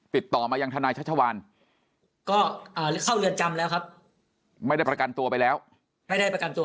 ติดต่อมายังทนายชัชวานก็เข้าเรือนจำแล้วครับไม่ได้ประกันตัวไปแล้วไม่ได้ประกันตัว